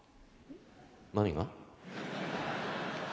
何が？